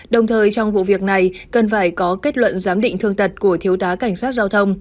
đồng thời trong vụ việc này cần phải có kết luận giám định thương tật của thiếu tá cảnh sát giao thông